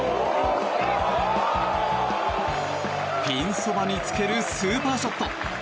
ピンそばにつけるスーパーショット！